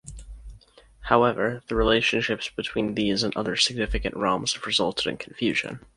However the relationships between these and other significant realms have resulted in confusion.